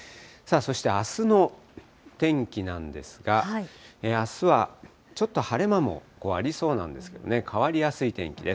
そして、あすの天気なんですが、あすはちょっと晴れ間もありそうなんですけどね、変わりやすい天気です。